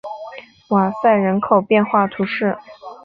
瓦塞人口变化图示